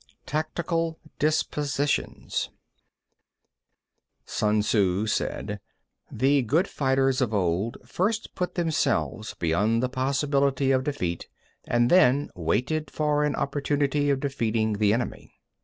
TACTICAL DISPOSITIONS 1. Sun Tzŭ said: The good fighters of old first put themselves beyond the possibility of defeat, and then waited for an opportunity of defeating the enemy.